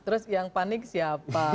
terus yang panik siapa